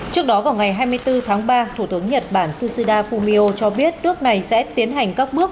trước đó vào ngày hai mươi bốn tháng ba thủ tướng nhật bản kishida fumio cho biết nước này sẽ tiến hành các bước